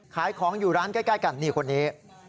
ขายของอยู่ร้านใกล้กันนี่คนนี้